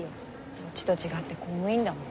そっちと違って公務員だもん。